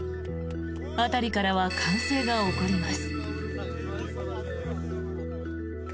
辺りからは歓声が起こります。